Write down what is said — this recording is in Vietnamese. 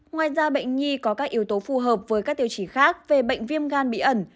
ngoài ra bệnh nhi có các yếu tố phù hợp với các tiêu chí khác về bệnh viêm gan bí ẩn